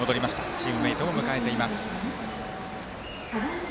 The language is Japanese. チームメートも迎えています。